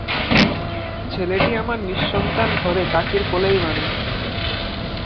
ছেলেটি আমার নিঃসন্তান ঘরে কাকির কোলেই মানুষ।